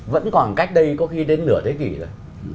vẫn còn cách đây có khi đến nửa thế kỷ rồi